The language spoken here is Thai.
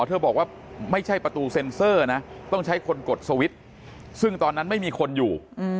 เธอบอกว่าไม่ใช่ประตูเซ็นเซอร์นะต้องใช้คนกดสวิตช์ซึ่งตอนนั้นไม่มีคนอยู่